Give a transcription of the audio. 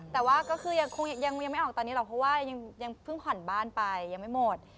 แต่ว่าก็คือยังไม่ออกตอนนี้หรอกเพราะว่ายังเพิ่งผ่อนบ้านไปยังไม่หมด